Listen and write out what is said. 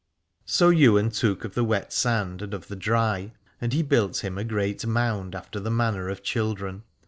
So Ywain took of the wet sand and of the dry, and he built him a great mound after the manner of children.